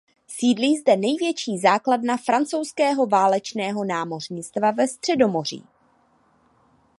Sídlí zde největší základna francouzského válečného námořnictva ve Středomoří.